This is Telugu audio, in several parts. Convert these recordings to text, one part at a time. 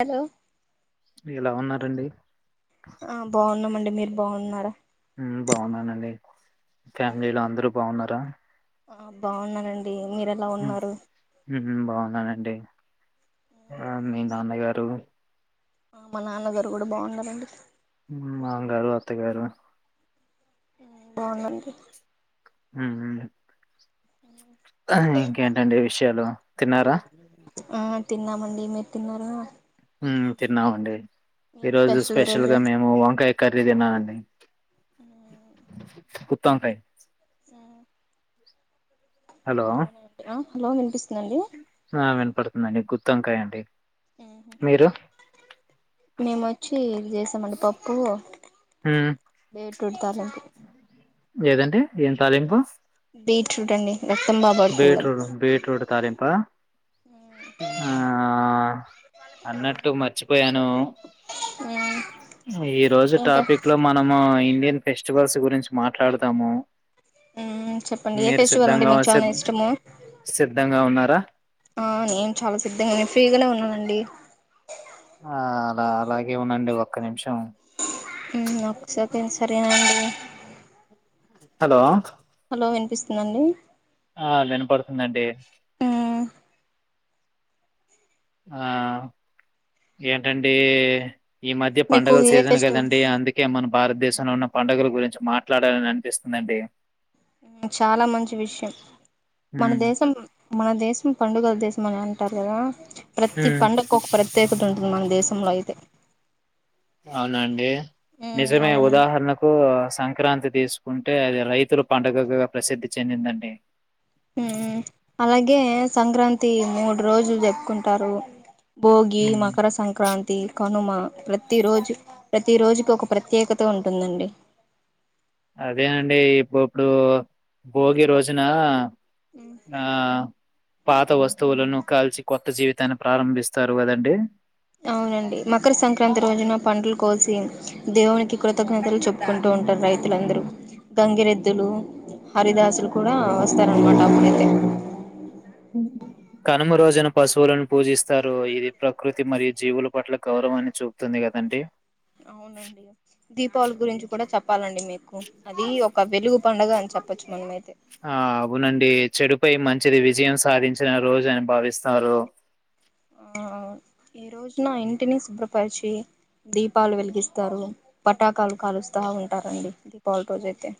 హలో ఎలా ఉన్నా రండి ఆ బాగున్నామండి మీరు బాగున్నారా మ్మ్ బాగున్నానండి ఫ్యామిలీలో అందరూ బాగున్నారా ఆ బాగున్నారండి ఇ మీరు ఎలా ఉన్నారు మ్మ్ బాగున్నానండి ఆ మీ నాన్నగారు ఆ మా నాన్నగారు కూడా బాగున్నారండి మామ గారు అత్త గారు మ్మ్ బాగుందండి మ్మ్ హ్మ్ ఆ ఇంకేంటండి విషయాలు తిన్నారా ఆ తిన్నామండి మీరు తిన్నారా హ్మ్ తిన్నామండి ఏం ఈరోజు స్పెషల్ ఈరోజు గా మేము వంకాయ కర్రీ తిన్నానండి గు త్తొంకాయ్ చరే అవునండి ఆ హలో వినిపిస్ అ వినపడుతుండండి గుత్ తొంకాయ్ అండి ఉహు మీరు మేమోచ్చి ఇవి ఎసామండి పప్పు ఉమ్ బీట్రూట్ తాలింపు ఏదండి ఏం తాలింపు బీట్రూట్ అండి రక్తం బాగా పడుతుంది బీట్రూట్ బీట్రూట్ తాలింపా ఆ అన్నట్టు మర్చి పోయాను కదా ఈ రోజు ఏంట టాపిక్ లో మనము ఇం డియన్ ఫెస్టివల్స్ గురించి మాట్లాడదాము మ్మ్ చెప్పండి ఏ మీరు ఫెస్టివల్ అంటే సిద్ధంగా మీకు చానా సిద్ ఇష్టము సిద్ధంగా ఉన్నారా ఆ నేను చాలా సిద్ధంగా నేను ఫ్రీగానే ఉన్నానండి ఆ లా అలాగే ఉండండి ఒక్క నిమిషం మ్మ్ ఒక్క సెకండ్స్ రెడీనా అండి హలో ఓ వినిపిస్తుందండి ఆ వినపడుతుందండి మ్మ్ ఆ ఏంటండీ ఈ మధ్య మీకు పండుగల ఏ సీజన్ ఫెస్టివల్ కదండి అందుకే మనం భారతదేశంలో ఉన్న పండుగల గురించి మాట్లాడాలని అనిపిస్తుందండి మ్మ్ చాలా మంచి విషయం మన ఉమ్ దేశం మన దేశం పండుగల దేశం అని టరుకదా ప్రతి ఉమ్, పండక్కు ఒక ప్రత్యేకత ఉంటుంది మన దేశంలో అయితే అవునాండి ఉమ్ నిజమే అవును ఉదాహరణకు సంక్రాంతి తీసుకుంటే అది రైతులు పండుగగా ప్రసిద్ధి చెందిందండి మ్మ్ అలాగే సంక్రాంతి మూడు రోజులు జర్పుకుంటారు భోగి ఉమ్ మకర సంక్రాంతి కనుమ ప్రతి రోజు ప్రతి రోజుకి ఒక ప్రత్యేకత ఉంటుందండి అదే అండి ఇప్పు కూ భోగి రోజున ఆ పాత వస్తువులను కాల్చి కొత్త జీవితాన్ని ప్రారంభిస్తారు కదండి అవునండి మకర సంక్రాంతి రోజున పండ్లు కోసీ దేవునికి కృతజ్ఞతలు చెప్పుకుంటూ ఉంటారు రైతులందరూ గంగిరెద్దులు హరిదాస్ ద్దులు కూడా వస్తారనమాట అప్పుడే అ కనుమ రోజున పశువులను పూజిస్తారు ఇది ప్రకృతి మరియు జీవుల పట్ల గౌరవాన్ని చూపుతుంది కదండి అవునండి దీపావళి గురించి కూడా చెప్ప్ దాం ప్పాలండి మీకు అది ఒక వెలుగు పండుగ అని చెప్పొచ్చు మనమైతే ఆ అవునండి చెడుపై మంచిది విజయం సాధించిన రోజు అని భావిస్తారు ఆ ఈ రోజున ఇంటిని శుభ్రపరిచి దీపాలు వెలిగిస్తారు పటాకాలు కాలుస్తా ఉంటారండి దీపావళి రోజైతే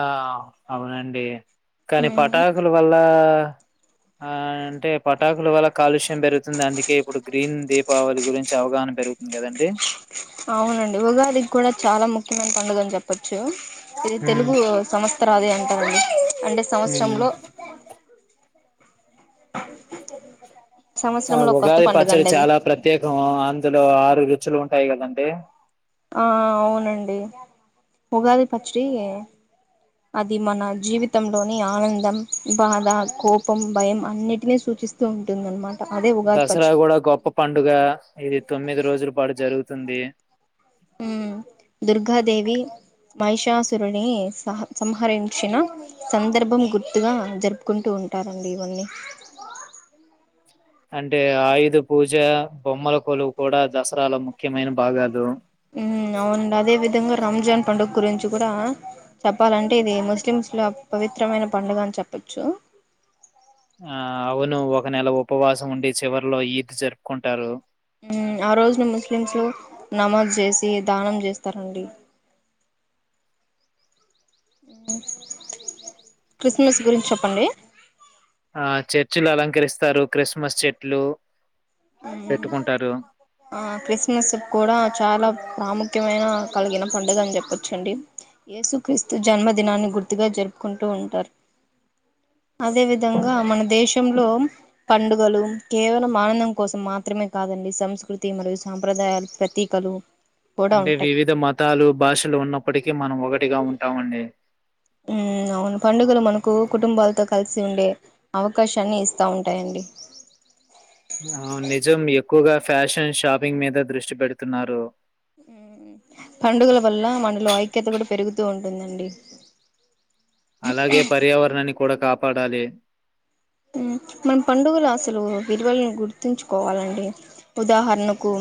ఆ అవునండి కానీ ఉమ్ పటాకులు వల్ల ఆ అంటే ప పటాకుల వల్ల కాలుష్యం పెరుగుతుంది అందుకే ఇప్పుడు గ్రీన్ దీపావళి గురించి అవగాహన పెరుగుతుంది కదండి అవునండి ఉగాదికి కూడా చాలా ముఖ్యమైన పడుగ అని చెప్పచ్చు ఇది హ్మ్ తెలుగు సంస్ త్రాది అంటా ఉంది అంటే హ్మ్ సంవత్సరంలో ఆ సంవత్సరంలో కొత్త ఉగాది పండుగ పచ్చడి అండి అది చాలా ప్రత్యేకం అందులో ఆరు చ్చులు ఉంటాయి కదండడి ఆ అవునండి ఉగాది పచ్చడి అది మన జీవితంలోని ఆనందం, బాధ, కోపం, భయం అన్నిటినీ సూచిస్తూ ఉంటుంది. అన్నమా దసరా కూడా గొప్ప పండుగ ఇది తొమ్మిది రోజుల పాటు జరుగుతుంది తందే ఉమ్ దుర్గాదేవి మహిషాసురుని సహ సంహరించిన సందర్భం గుర్తుగా జరుపుకుంటూ ఉంటారండి ఇవన్నీ. అంటే ఆయుధ పూజ బొమ్మల కొలువు కూడా దసరాలో ముఖ్యమైన బాగాదు ఉమ్ అవునుండి అదే విద్ దంగా రంజాన్ పండుగ గురించి కూడా చెప్పాలంటే ఇది ముస్లిమ్స్ ల పవిత్రమైన పండుగ అని చెప్పచ్చు. ఆ అవును ఒక నెల ఉపవాసం ఉండి చివరిలో ఈద్ జరుపుకుంటారు మ్మ్ ఆ రోజును ముస్లిమ్స్ నమాజ్ చేసి దానం చేస్తారండి మ్ క్రిస్మస్ గురించి చెప్పండి ఆ చర్చిలు అలంకరిస్తారు క్రిస్మస్ చెట్లు మ్మ్ పెట్టుకుంటారు ఆ క్రిస్మస్ కూడా చాలా ప్రాము ఖ్యమైన కలిగిన పండుగ అని చెప్పచ్చండి, యేసు క్రీస్తు జన్మదినాన్ని గుర్తుగా జరుపుకుంటూ ఉంటారు, అదే విధంగా మన దేశంలో పండుగలు కేవలం ఆనందం. కోసం మాత్రమే కాదండి సంస్కృతి మరియు సాంప్రదాయాల ప్రతీకలు కూడా అంటే ఉంటాయి వివిధ మతాలు భాషలు ఉన్నప్పటి కి మనం ఒకటిగా ఉంటామండి ఉమ్ అవును పండుగలు మనకు కుటుంబాలతో కలిసి ఉండే అవకాశాన్ని ఇస్తా ఉంటాయండి ఆ నిజం ఎక్కువగా ఫ్యాషన్ షాపింగ్ మీద దృష్టి పెడుతున్నారు హ్మ్ పండుగల వల్ల మనలో ఐక్యత కూడా పెరుగుతూ ఉంటుందండి అలాగే పర్యావరణాన్ని కూడా కాపాడాలి హ్మ్ మన పండుగలు అసలు విలువలను గుర్తుంచుకోవాలండి, ఉదాహరణకు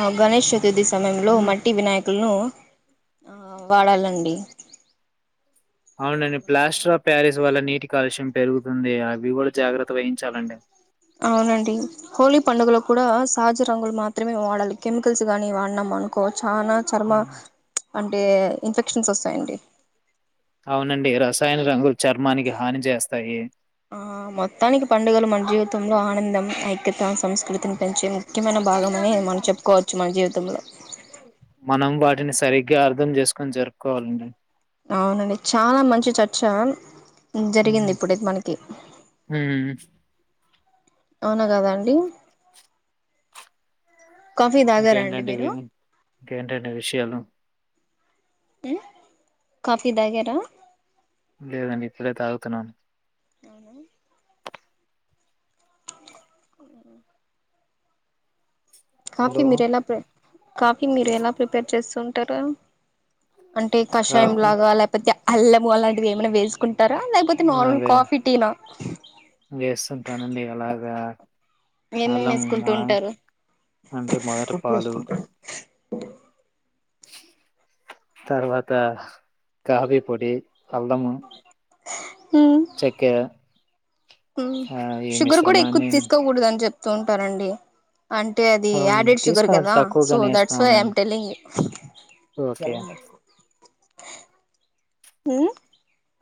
ఆ గణేష్ చతుర్థి సమయంలో మట్టి వినాయకులను ఆ వాడలండి. అవునండి ప్లాస్టర్ ఆఫ్ ప్యారిస్ వల్ల నీటి కాలుష్యం పెరుగుతుంది అవి కూడా జాగ్రత్త వహించాలండి అవునండి హోలీ పండుగలో కూడా సహజ రంగులు మాత్రమే వాడాలి కెమికల్స్ గానీ వాడినం అనుకో చానా చర్మ అంటే హ్మ్. అంటే ఇన్ఫెక్షన్స్ వస్తాయండి అవునండి రసాయన రంగులు చర్మానికి హాని చేస్తాయి ఆ ఐక్యతా సంస్కృతిని పెంచి ముఖ్యమైన భాగమని మనం చెప్పుకోవచ్చు మన జీవితం తమల మనం వాటిని సరిగ్గా అర్థం చేసుకొని జరుపుకోవాలండి అవునండి చాలా మంచి చర్చ జరిగింది హుహు. ఇప్పుడైతే మనకి హ్మ్. అవునా కాద అండి కాఫీ తాగారా అండి ఇంకేంటండి మీరు విను ఇంకేంటండి విషయాలు హ్మ్ కాఫీ తాగారా లేదండి ఇప్పుడే తాగుతున్నను ఆవునా కాఫీ హలో! మీరు ఎలా ప్రే కాఫీ మీరు ఎలా ప్రిపేర్ చేసు అంతట అంటే కషాయం కాఫీ లాగా లేపోతే అల్లము అలాంటివి ఏమైనా వేసుకుంటారా లేపోతే ఆ! నార్మల్ వే కాఫీ టీనా వేస్తుంటానండి అలాగా ఏమేం అల్లం వేసుకుంటూ ఆ! ఉంటారు అంటే మొదట ఉప్పు పాలు వేసుకుంటా టుమ్ తర్వాత కాఫీ పొడి కాల్దామా చక్కెర హ్మ్ షుగర్ కూడా ఎక్కువ తీసుకోకూడదు అని చెప్ తుంటారండి అంటే అది అవునండి యాడెడ్ షుగర్ తీసుకున్నాడు కదా సో తక్కువగానే దట్స్ వై ఐ వేసుకున్నావునండి. ఎమ్ టెలింగ్ యు ఓకే బెల్లం ఎక్కు ఉ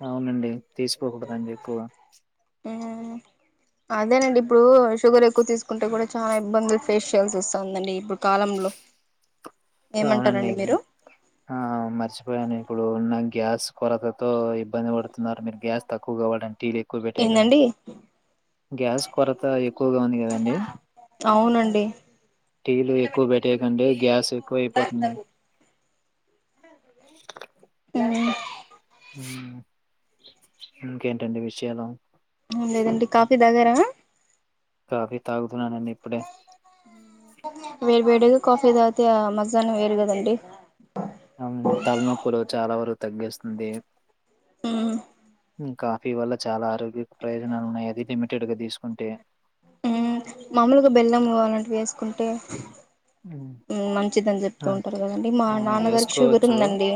అవునండి తీసుకోకూడదండి ఎక్కువ అదేనండి ఇప్పుడు షుగర్ ఎక్కువ తీసుకుంటే కూడా చాలా ఇబ్బందులు ఫేసు చేయాల్సి వస్తదండి ఇప్పుడు కాలంలో అవునండి ఏమంటారండి మీరు ఆ మర్చిపోయాను ఇప్పుడు నా గ్యాస్ కొరతతో ఇబ్బంది పడుతున్నారు మీరు గ్యాస్ తక్కువ వాడండి టీ లు ఎక్కువ పెట్టేయాకండి ఏందండి గ్యాస్ కొరత ఎక్కువగా ఉంది కదండి అవునండి టీలు ఎక్కువ పెట్టేయకండి గ్యాస్ ఎక్కువ అయిపోతుంది అ ఉ ఇంకేంటండి విషయాలు లేదండి కాఫీ దగ్గర కాఫి తాగు వేరువేడుగ్ కాఫీ తతే మజనే వేరు కదండి అవునండి తలనొప్పులు చాలా వరకు తగ్గిస్తుంది మ్మ్మ్ కాఫీ వల్ల చాలా ఆరోగ్య ప్రయోజనాలు ఉన్నాయి అది లిమిటెడ్గా తీసుకుంటే మ్మ్ మామూలుగా బెల్లం ఇవ్వాలంట్ వేస్ కుంటే హ్మ్. మంచిదన్ చెప్తూ ఆ! ఉంటారు కదండి మా అవును నాన్నగారికి షుగర్ వేసుకోవచ్చు. ఉందండి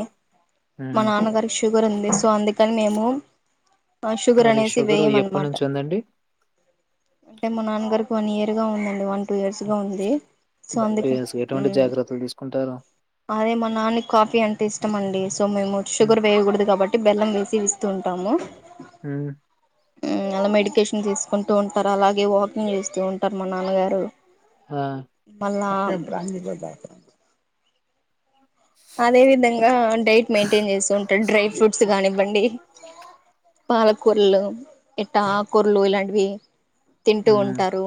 మా హ్మ్. నాన్నగారికి షుగర్ ఉంది సో అందుకని మేము మూన్ షుగర్ మరి అనేసి వేయ షుగరు అనమాట, ఎప్పటినుంచి ఉందండి? అంటే మా నాన్గారు వన్ ఇయర్ గ ఉందడి వన్ టూ ఇయర్స్ గా ఉంది సో అందుకె ఫేస్ ఎటువంటి ఉమ్ జాగ్రత్తలు తీసుకుంటారు? అదే మా నాన్న కాఫీ అంటే ఇష్ట టమండిస్ సో మేము హ్మ్. షుగర్ వేయకూడదు కాబట్టి బెల్లం వేసి ఇస్తూ ఉంటాము హ్మ్. ఉమ్ అలా మెడికేషన్ తీసుకుంటూ ఉంటారు అలాగే వాకింగ్ చేస్ తుం టర్ మ నాన్న గారు ఆ! మల్ నా అదే విధంగా డైట్ మెయింటైన్ చేస్తూ ఉంటడు డ్రై ఫ్రూట్స్ కానివ్వండి పాలకూర్లు ఎట్ట ఆకూర్లు ఇలాంటివి తింటూ హ్మ్. ఉంటారు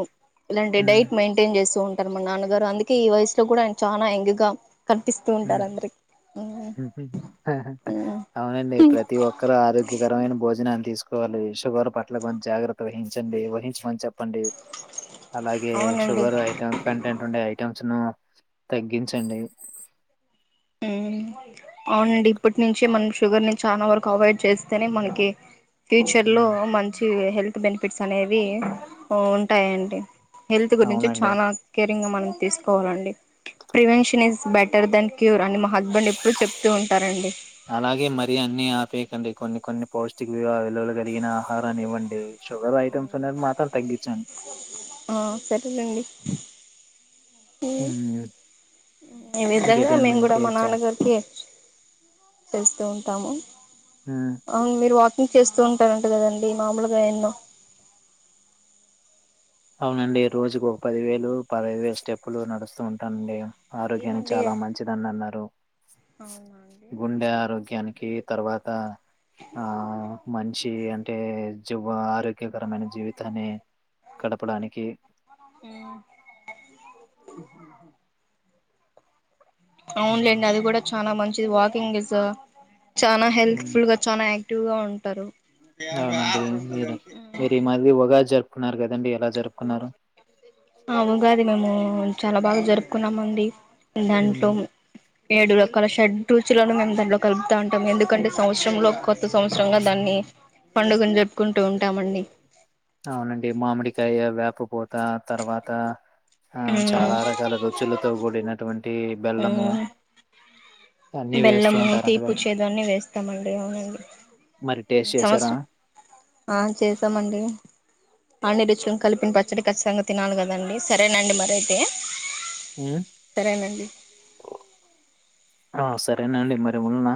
ఇలాంటి హ్మ్. డైట్ మెయింటైన్ చేస్తూ ఉం టర్ మ నాన్నగారు అందుకే ఈ వయసులో కూడా ఆయన చానా ఎంగ్ గా కనిపిస్ మ్ [unintelligible] అవునండి ప్రతి ఒక్కరు ఆరోగ్యకరమైన భోజనాన్ని తీస్ కోవాలి షుగర్ పట్ల కొ జాగ్రత్త వహించండి వహించ్ మన్ చెప్ పండి అలాగే అవునండి షుగర్ ఐటెమ్ కంటెంట్ ఉండే ఐటెమ్స్ ను తగ్గించండి హ్మ్ అవునండి ఇప్పటి నుంచే మన్ షుగర్ ని చానా వరకు అవాయిడ్ చేస్తేనే మనకి ఫ్యూచర్ లో హ్మ్. మంచి హెల్ప్ బెనిఫిట్స్ అనేవి ఉంటాయండి హెల్త్ గురించి అవునండి. చాలా కేరింగ్ గా మనం తీకోవాలండి prevention is better than cure అండి మక్ హస్బెండ్ ఎప్పుడు చెప్తూ ఉంటారండి అలాగే మరీ అన్ని ఆపేయకండి. కొన్ని కొన్ని పౌష్టిక వివలులువలు కలిగిన ఆహారాన్ని ఇవ్వండి షుగర్ ఐటమ్స్ అనేది మాత్రం తగ్గించండి ఆ సరేనండి హ్మ్. ఈ విధంగా ఇంకేటండి మేము కూడా మా ఇంకేచ్చా నాన్నగారికి చేస్తూ ఉంటాము హ్మ్. అవును మీరు వాక్ కింగ్ చెస్ స్తూ ఉంటారంట కదండి మామూలు ఎన్నో అవునండి రోజుకు ఒక పది వేలు పదైదు వేలు స్టెప్పులు నడుస్తూ ఉంటానండి ఆరోగ్యానికి ఏమండి చాలా మంచిదని అన్నారు అవునా అండి గుండె ఆరోగ్యానికి కే తర్వాత ఆ మంచి అంటే జ ఆరోగ్యకరమైన జీవితాన్ని గడపడానికి హ్మ్ హ్మ్. అవునులేండి అది కూడా చాలా మం చిది వాకింగ్ చేస్తే చాలా హెల్ప్ హ్మ్. ఫుల్ గా చానా ట్టుగా ఉంటారు అవునండి మీరూ ఈ మధ్య ఉగాది జరుప్ న్నారు కదండి ఎలా జరుపుకున్నారు? ఆ ఉగాది మేము చాలా బాగా జరుపుకున్నామండి హ్మ్. దాంట్లో ఏడు రకాల షెడ్ రుచులను మేము దాంట్లో కలుపుతా ఉంటాం ఎందుకంటే సంవత్సరంలో కొత్త సంవత్సరంగా దాన్ని పండుగను జరుపుకుంటూ ఉంటామండి అవునండి మామిడికాయ వ్యా ప్పుపోతా తర్వాత ఆ ఉమ్ చాలా రకాల రుచులతో కూడినటువంటి బెల్లము ఉమ్ అన్ని వేస్తూ బెల్లము ఉంటారంట కదా తీపుచ్చేదు అన్న వేస్తామండి అవునండి మరి టేస్ట్ చేసారా సంవత్సరం ఆ చేస్తామండి పాడిరుచ్యం కలిపిన పచ్చడి ఖచ్చితంగా తినాలి కదండి సరేనండి మరీ అయితే సరేనండి ఆ సరేనండి మరి ఉన్నా